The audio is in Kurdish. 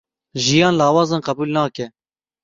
Jiyan lawazan qebûl nake.